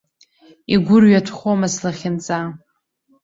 Игәырҩатәхома слахьынҵа?